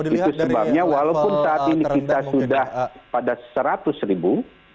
itu sebabnya walaupun saat ini kita sudah pada seratus ribu